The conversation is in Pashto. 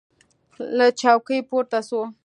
له چوکۍ پورته سو.